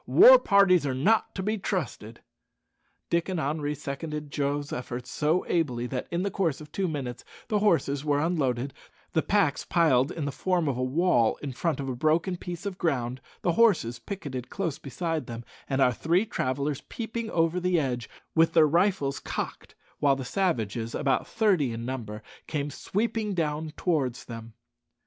War parties are not to be trusted." Dick and Henri seconded Joe's efforts so ably that in the course of two minutes the horses were unloaded, the packs piled in the form of a wall in front of a broken piece of ground, the horses picketed close beside them, and our three travellers peeping over the edge, with their rifles cocked, while the savages about thirty in number came sweeping down towards them.